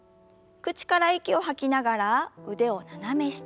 口から息を吐きながら腕を斜め下。